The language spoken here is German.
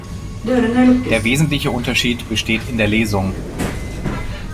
Der wesentliche Unterschied besteht in der Lesung.